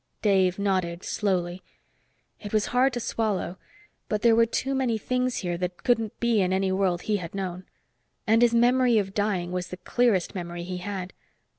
Dave nodded slowly. It was hard to swallow, but there were too many things here that couldn't be in any world he had known. And his memory of dying was the clearest memory he had.